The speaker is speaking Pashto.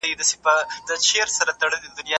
په غېږ كي ايښې ده